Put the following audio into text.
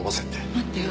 待ってよ